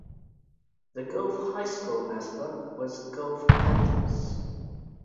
The Gove High School mascot was Gove Panthers.